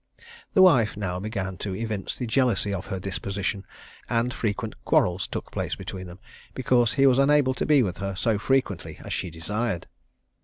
The wife now began to evince the jealousy of her disposition, and frequent quarrels took place between them, because he was unable to be with her so frequently as she desired.